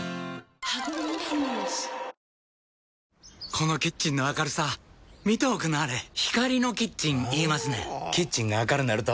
このキッチンの明るさ見ておくんなはれ光のキッチン言いますねんほぉキッチンが明るなると・・・